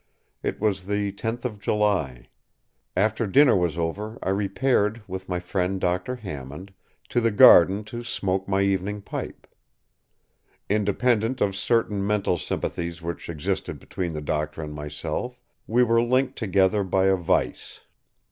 It was the tenth of July. After dinner was over I repaired, with my friend Dr. Hammond, to the garden to smoke my evening pipe. Independent of certain mental sympathies which existed between the doctor and myself, we were linked together by a vice.